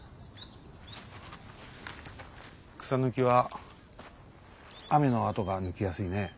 草抜きは雨のあとが抜きやすいね。